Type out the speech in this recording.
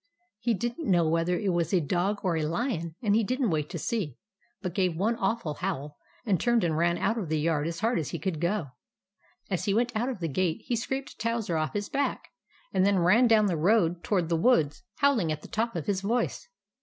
He did n't know whether it was a dog or a lion; and he didn't wait to see, but gave one awful howl and turned and ran out of the yard as hard as he could go. As he went out of the gate he scraped Towser off his back, and then ran down the road toward the woods, howling at the top of his voice.